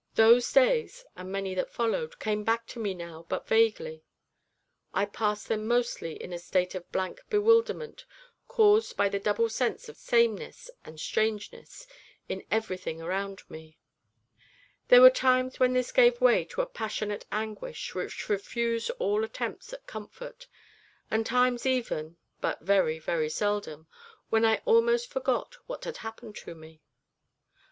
Those days, and many that followed, come back to me now but vaguely. I passed them mostly in a state of blank bewilderment caused by the double sense of sameness and strangeness in everything around me; then there were times when this gave way to a passionate anguish which refused all attempts at comfort, and times even but very, very seldom when I almost forgot what had happened to me.